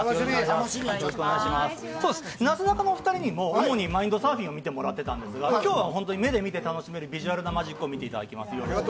なすなかのお二人にも主にマインドサーフィンを見ていただいてたんですが今日は本当に目で楽しめる、ビジュアルなマジックです。